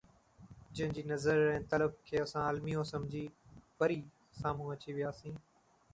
جنهن جي نظر ۽ طلب کي اسان الميو سمجهي، وري سامهون اچي وياسين